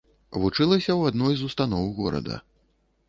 Вучылася ў адной з устаноў горада.